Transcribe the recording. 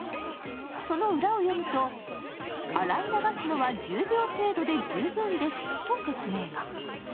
その裏を読むと、「洗い流すのは１０秒程度で十分です」と説明が。